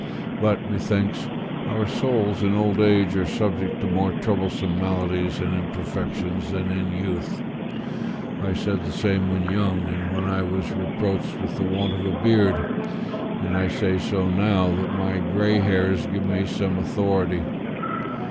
But; methinks, our souls in old age are subject to more troublesome maladies and imperfections than in youth; I said the same when young and when I was reproached with the want of a beard; and I say so now that my grey hairs give me some authority.